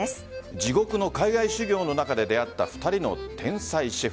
地獄の海外修業の中で出会った２人の天才シェフ。